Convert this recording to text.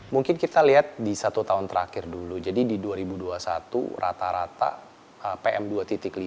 mungkin kita lihat di satu tahun ini kita bisa lihat bahwa partikel pm dua lima ini sangat tinggi